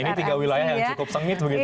nah ini tiga wilayah yang cukup sanggit begitu ya